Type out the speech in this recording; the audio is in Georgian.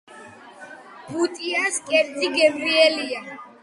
ბუტიას კერძი გემრიელია